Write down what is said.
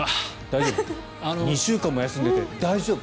２週間も休んでいて大丈夫？